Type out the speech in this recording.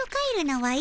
はい。